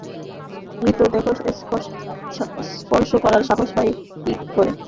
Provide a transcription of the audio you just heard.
মৃতদেহ স্পর্শ করার সাহস হয় কি করে?